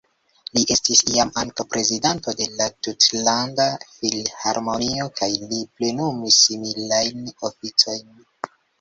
Li estis iam ankaŭ prezidanto de la Tutlanda Filharmonio kaj li plenumis similajn oficojn.